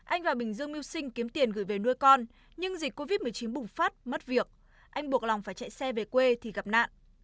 anh và bình dương mưu sinh kiếm tiền gửi về nuôi con nhưng dịch covid một mươi chín bùng phát mất việc anh buộc lòng phải chạy xe về quê thì gặp nạn